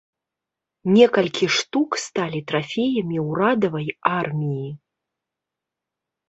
Некалькі штук сталі трафеямі ўрадавай арміі.